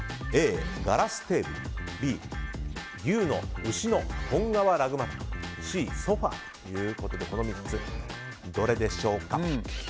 Ａ、ガラステーブルＢ、牛の本革ラグマットＣ、ソファということでこの３つ、どれでしょうか。